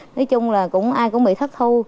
nói chung là ai cũng bị thất thu